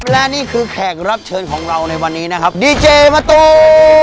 และนี่คือแขกรับเชิญของเราในวันนี้นะครับดีเจมะตู